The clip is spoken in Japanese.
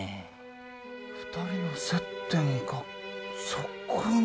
２人の接点がそこに。